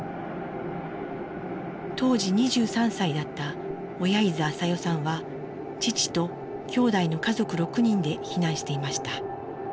当時２３歳だった小柳津アサヨさんは父ときょうだいの家族６人で避難していました。